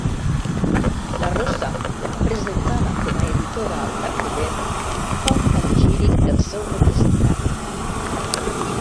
La rossa, presentada com a editora al cartellet, fa un panegíric del seu representat.